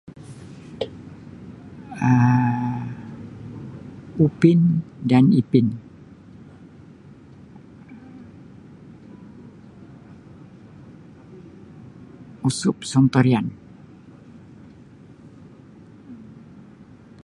um Upin dan Ipin Usop Sontorian.